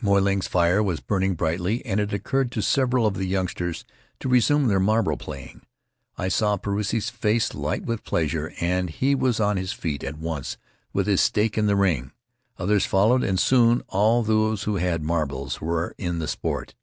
Moy Ling's fire was burning brightly and it occurred to several of the youngsters to resume their marble playing. I saw Puarei's face light with pleasure, and he was on his feet at once with his stake in the ring. Others followed, and soon all those who had marbles were in the sport.